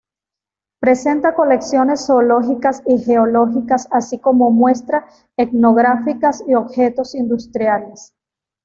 Presenta colecciones zoológicas y geológicas así como muestra etnográficas y objetos industriales.